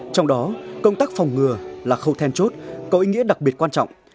trong đó công tác phòng ngừa là khâu then chốt có ý nghĩa đặc biệt quan trọng